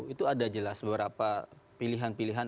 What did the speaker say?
itu ada jelas beberapa pilihan pilihan